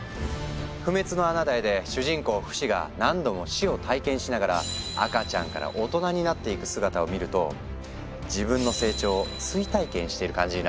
「不滅のあなたへ」で主人公フシが何度も「死」を体験しながら赤ちゃんから大人になっていく姿を見ると自分の成長を追体験している感じになっちゃうの。